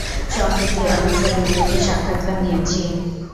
সম্প্রতি অনেক সেলিব্রিটির সাক্ষাৎকার নিয়েছি।